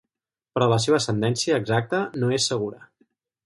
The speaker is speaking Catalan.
Però la seva ascendència exacta no és segura.